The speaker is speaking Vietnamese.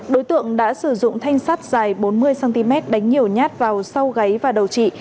đối tượng đã sử dụng thanh sắt dài bốn mươi cm đánh nhiều nhát vào sau gáy và đầu trị